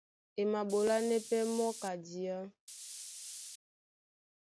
E maɓolánɛ́ pɛ́ mɔ́ ka diá.